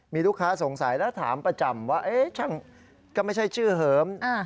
มีลูกค้าสงสัยแล้วถามประจำว่าช่างก็ไม่ใช่ชื่อเหิม